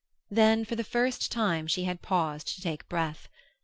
Then, for the first time, she had paused to take breath.